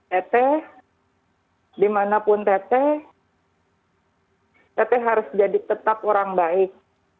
teteh dimanapun teteh teteh harus jadi tetap orang baik